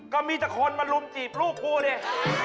ก็มีแต่คนมารุมจีบลูกครูเนี่ย